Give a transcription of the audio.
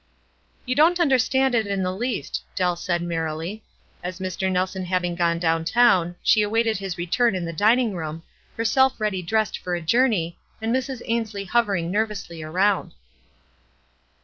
"You don't understand it in the least," Dell said, merrily, as Mr. Nelson having gone down town, she awaited his return in the dining room, herself ready dressed for a journey, and Mrs. Ainslic hovering nervously around.